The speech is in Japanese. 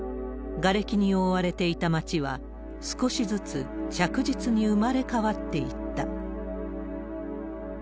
がれきに覆われていた町は、少しずつ着実に生まれ変わっていった。